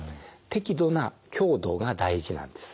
適度な強度が大事なんです。